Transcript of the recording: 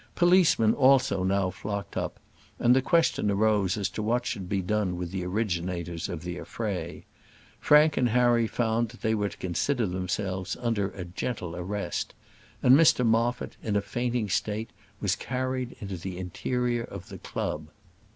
Policemen also now flocked up, and the question arose as to what should be done with the originators of the affray. Frank and Harry found that they were to consider themselves under a gentle arrest, and Mr Moffat, in a fainting state, was carried into the interior of the club.